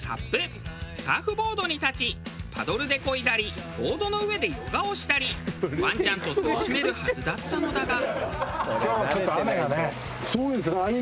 サーフボードに立ちパドルで漕いだりボードの上でヨガをしたりワンちゃんと楽しめるはずだったのだが。